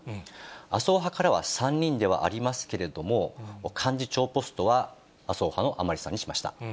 麻生派からは３人ではありますけれども、幹事長ポストは麻生派の甘利さんにしました。